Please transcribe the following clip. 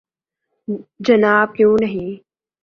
جناب کیوں نہیں